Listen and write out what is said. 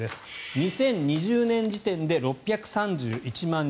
２０２０年時点で６３１万人。